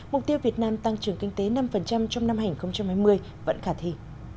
mục tiêu việt nam tăng trưởng kinh tế năm trong năm hai nghìn hai mươi vẫn khả thi